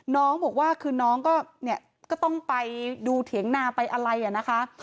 น้องบอกว่าคือน้องก็ต้องไปดูเถียงนาไปอะไรนะคะ